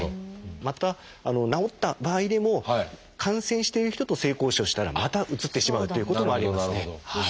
また治った場合でも感染している人と性交渉したらまたうつってしまうっていうこともありますね。